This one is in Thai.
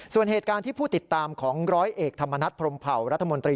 ส่วนเหตุการณ์ที่ผู้ติดตามของร้อยเอกธรรมนัฐพรมเผารัฐมนตรี